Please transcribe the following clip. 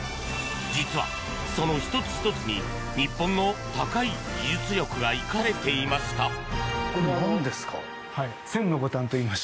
実は、その１つ１つに日本の高い技術力が生かされていました。